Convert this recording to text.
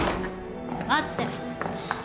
待って！